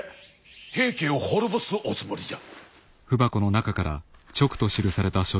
平家を滅ぼすおつもりじゃ。